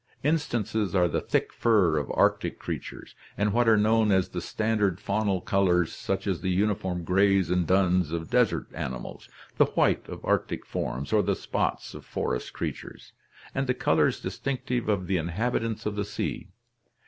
Instances are the thick fur of arctic creatures and what are known as the standard faunal colors (Chapter XV) such as the uniform grays and duns of desert animals, the white of arctic forms, or the spots of forest creatures, and the colors distinctive of the inhabitants of the sea.